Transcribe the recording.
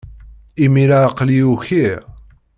Imir-a, aql-iyi ukiɣ.